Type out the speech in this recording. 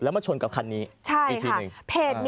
มาชนกับคันนี้อีกทีหนึ่ง